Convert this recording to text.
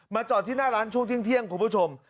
จอดที่หน้าร้านช่วงเที่ยงคุณผู้ชม